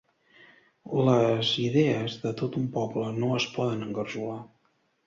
Les idees de tot un poble no es poden engarjolar.